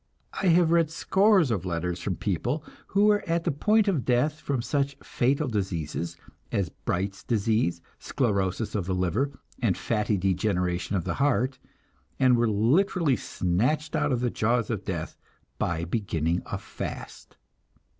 I have read scores of letters from people who were at the point of death from such "fatal" diseases as Bright's disease, sclerosis of the liver, and fatty degeneration of the heart, and were literally snatched out of the jaws of death by beginning a fast.